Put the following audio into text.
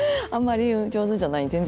あんまり上手じゃない。